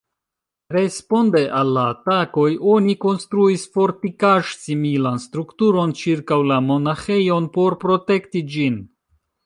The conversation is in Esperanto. Responde al la atakoj, oni konstruis fortikaĵ-similan strukturon ĉirkaŭ la monaĥejon, por protekti ĝin.